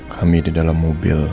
kami di dalam mobil